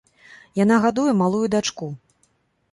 Яна гадуе малую дачку.